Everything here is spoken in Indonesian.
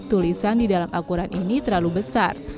tulisan di dalam al quran ini terlalu besar